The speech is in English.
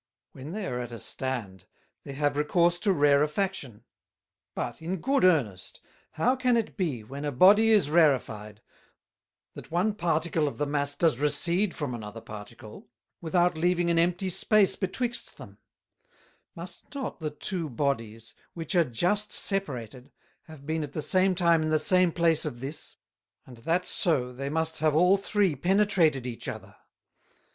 When they are at a stand, they have recourse to Rarefaction: But in good earnest, How can it be when a Body is ratified, that one Particle of the Mass does recede from another Particle, without leaving an empty Space betwixt them; must not the two Bodies, which are just separated, have been at the same time in the same place of this; and that so they must have all three penetrated each other?